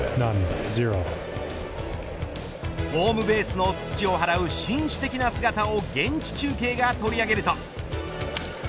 ホームベースの土を払う紳士的な姿を現地中継が取り上げると。